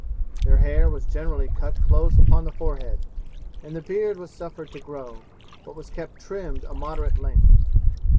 Their hair was generally cut close upon the forehead, and the beard was suffered to grow, but was kept trimmed a moderate length.